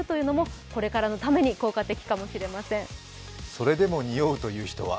それでも臭うという人は？